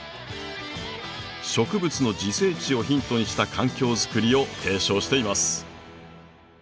植物の自生地をヒントにした環境づくりを提唱しています。